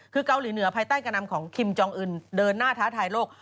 คือเกาหลีเหนือภายใต้การนำของคิมจองอื่นเดินหน้าท้าทายโลก